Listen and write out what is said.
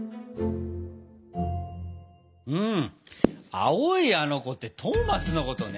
青いあの子ってトーマスのことね。